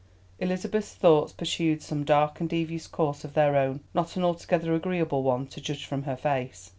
Elizabeth's thoughts pursued some dark and devious course of their own, not an altogether agreeable one to judge from her face.